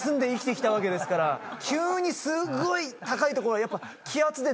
急にすっごい高い所はやっぱ。